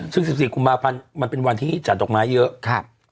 ซึ่ง๑๔กุมภาพันธ์มันเป็นวันที่จัดดอกไม้เยอะ